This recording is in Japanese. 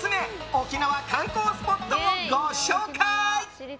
沖縄観光スポットをご紹介。